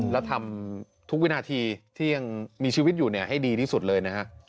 แล้วทำทุกวินาทีที่ยังมีชีวิตอยู่ให้ดีที่สุดเลยนะฮะ